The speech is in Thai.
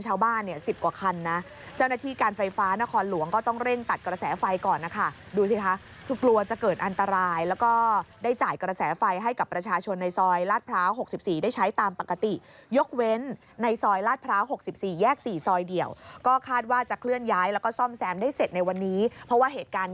ชาวบ้านเนี่ย๑๐กว่าคันนะเจ้าหน้าที่การไฟฟ้านครหลวงก็ต้องเร่งตัดกระแสไฟก่อนนะคะดูสิคะคือกลัวจะเกิดอันตรายแล้วก็ได้จ่ายกระแสไฟให้กับประชาชนในซอยลาดพร้าว๖๔ได้ใช้ตามปกติยกเว้นในซอยลาดพร้าว๖๔แยก๔ซอยเดี่ยวก็คาดว่าจะเคลื่อนย้ายแล้วก็ซ่อมแซมได้เสร็จในวันนี้เพราะว่าเหตุการณ์